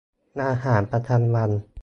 อาหารประจำวัน